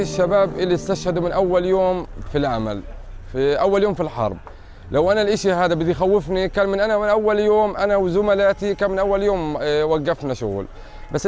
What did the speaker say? sebagai cara untuk mengembangkan anak anak kita